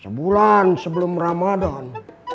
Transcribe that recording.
sebulan sebelum ramadhan